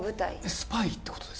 スパイってことですか？